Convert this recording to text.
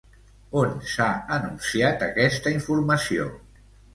On s'ha anunciat aquesta informació?